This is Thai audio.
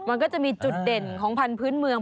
มันก็จะมีจุดเด่นของพันธุ์เมือง